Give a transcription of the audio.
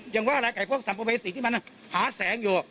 ยังไว้อะไรกับพวกสัมโปรเวสีที่มันหาแสงอยู่